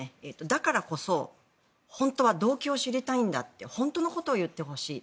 だからこそ本当は動機を知りたいんだって本当のことを言ってほしい。